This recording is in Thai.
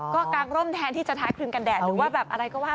ก็กางร่มแทนที่จะท้ายคลึงกันแดดหรือว่าแบบอะไรก็ว่า